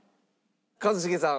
一茂さん